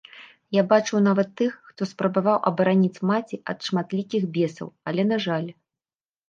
Я бачыў нават тых, хто спрабаваў абараніць маці ад шматлікіх бесаў, але, на жаль...